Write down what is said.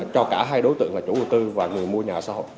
cho cả hai đối tượng là chủ đầu tư và người mua nhà ở xã hội